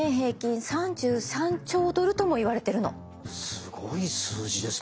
すごい数字ですね。